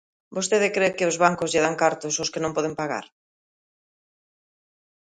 Vostede cre que os bancos lle dan cartos aos que non poden pagar?